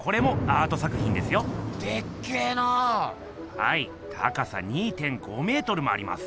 はい高さ２．５メートルもあります。